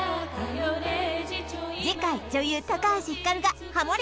０時次回女優橋ひかるがハモリ